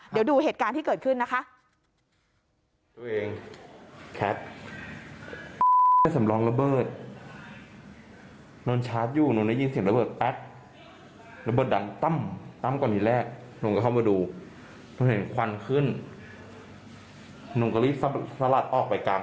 เดี๋ยวดูเหตุการณ์ที่เกิดขึ้นนะคะ